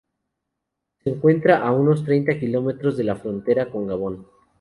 Se encuentra a unos treinta kilómetros de la frontera con Gabón.